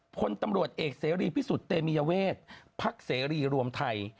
พลตำรวจเอกเสรีพิสุทธิ์เตมียเวทพักเสรีรวมไทย